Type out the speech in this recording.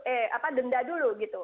eh denda dulu gitu